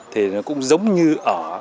thì nó cũng giống như ở